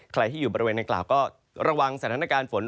ใครที่อยู่บริเวณนางกล่าวก็ระวังสถานการณ์ฝน